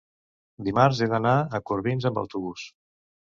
dimarts he d'anar a Corbins amb autobús.